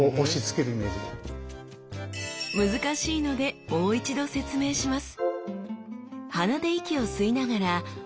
難しいのでもう一度説明します